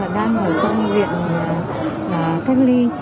đang ở trong viện cách ly